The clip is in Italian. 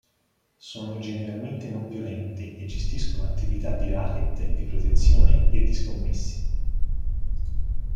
Sono generalmente non violente e gestiscono attività di racket, di protezione e di scommesse.